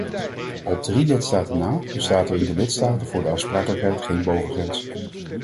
Op drie lidstaten na bestaat er in de lidstaten voor de aansprakelijkheid geen bovengrens.